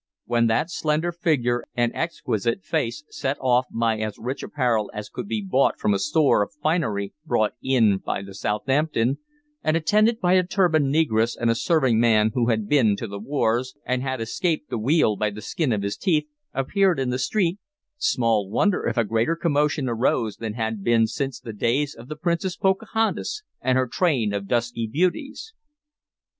When that slender figure and exquisite face, set off by as rich apparel as could be bought from a store of finery brought in by the Southampton, and attended by a turbaned negress and a serving man who had been to the wars, and had escaped the wheel by the skin of his teeth, appeared in the street, small wonder if a greater commotion arose than had been since the days of the Princess Pocahontas and her train of dusky beauties.